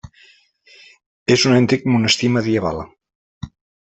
És un antic monestir medieval.